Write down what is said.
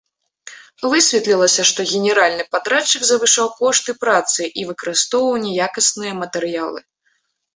Высветлілася, што генеральны падрадчык завышаў кошты працы і выкарыстоўваў няякасныя матэрыялы.